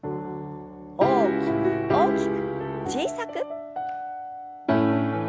大きく大きく小さく。